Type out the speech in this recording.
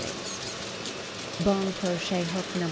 Bone crochet hook No.